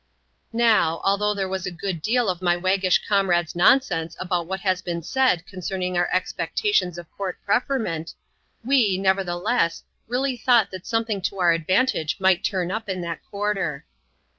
Now, although there ^was a good deal of my waggish cc«n rade's nonsense about what has been said concerning our ex pectations of court preferment, we, nevertheless, really thought that something to our advantage might turn up in that quarter.